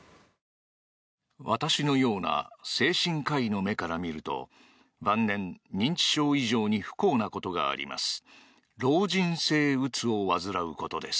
私のような精神科医の目から見ると晩年、認知症以上に不幸なことがあります。